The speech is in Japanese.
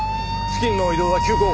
付近の移動は急行！